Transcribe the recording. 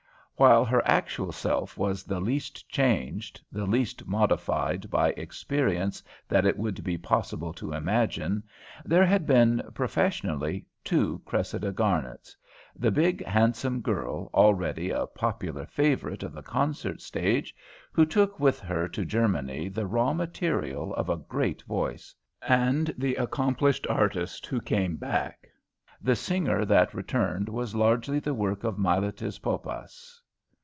While her actual self was the least changed, the least modified by experience that it would be possible to imagine, there had been, professionally, two Cressida Garnets; the big handsome girl, already a "popular favourite" of the concert stage, who took with her to Germany the raw material of a great voice; and the accomplished artist who came back. The singer that returned was largely the work of Miletus Poppas.